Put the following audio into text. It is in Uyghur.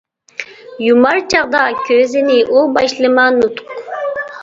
يۇمار چاغدا كۆزىنى ئۇ باشلىما نۇتۇق.